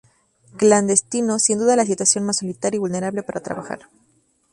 Clandestino: sin duda la situación más solitaria y vulnerable para trabajar.